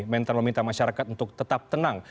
mentan meminta masyarakat untuk tetap tenang